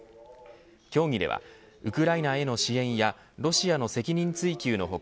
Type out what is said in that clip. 協議では、ウクライナへの支援やロシアの責任追及の他